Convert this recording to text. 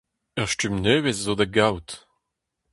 Ur stumm nevez zo da gaout !